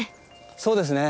そうですね。